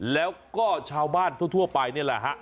แล้วก็ชาวบ้านทั่วไปนี่แหละฮะ